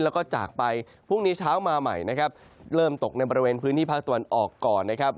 แล้วก็จากไปพรุ่งนี้เช้ามาใหม่นะครับเริ่มตกในบริเวณพื้นที่ภาคตะวันออกก่อนนะครับ